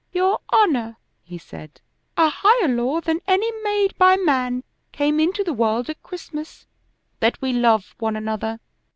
"Your Honor," he said, "a higher law than any made by man came into the world at Christmas that we love one another.